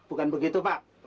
bukan begitu pak